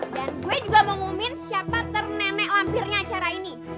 dan gue juga mau ngumumin siapa ternenek lampirnya acara ini